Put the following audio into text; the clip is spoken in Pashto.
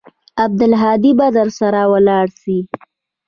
عبدالهادي به درسره ولاړ سي.